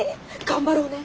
頑張ろうね